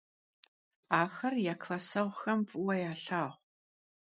Axer ya klasseğuxem f'ıue yalhağu.